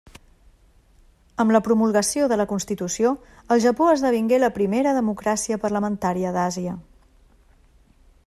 Amb la promulgació de la constitució, el Japó esdevingué la primera democràcia parlamentària d'Àsia.